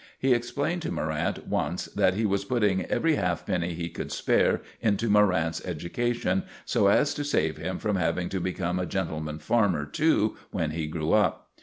He explained to Morrant once that he was putting every halfpenny he could spare into Morrant's education, so as to save him from having to become a gentleman farmer too when he grew up.